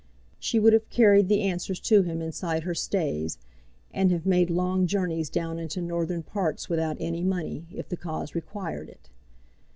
She would have carried the answers to him inside her stays, and have made long journeys down into northern parts without any money, if the cause required it.